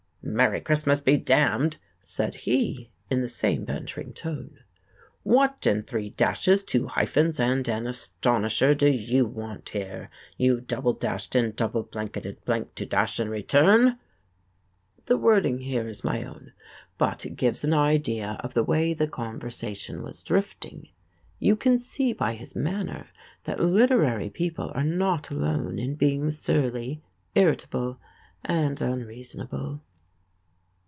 "Merry Christmas be d d!" said he in the same bantering tone. "What in three dashes, two hyphens and an astonisher do you want here, you double dashed and double blanketed blank to dash and return!!" The wording here is my own, but it gives an idea of the way the conversation was drifting. You can see by his manner that literary people are not alone in being surly, irritable and unreasonable.